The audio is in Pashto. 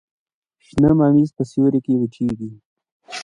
شنه ممیز په سیوري کې وچیږي.